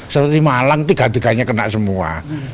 seru di malang tiga tiganya kena semua